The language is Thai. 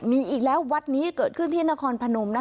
มีอีกแล้ววัดนี้เกิดขึ้นที่นครพนม